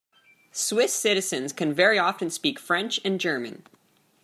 Swiss citizens can very often speak French and German.